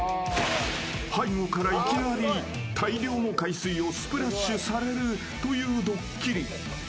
背後からいきなり大量の海水をスプラッシュされるというドッキリ。